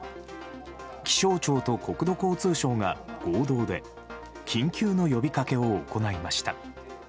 気象庁と国土交通省が合同で緊急の呼びかけを行いました。